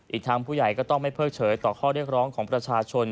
อีกทางผู้ใหญ่ก็ต้องไม่เพิกเฉยต่อข้อเรียกร้องของประชาชน